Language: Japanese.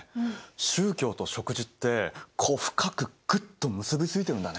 宗教と食事ってこう深くグッと結び付いてるんだね。